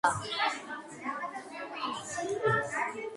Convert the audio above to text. როგორც მემატიანეები გვამცნობენ ჯეინის გადარჩენის შანსი არსებობდა.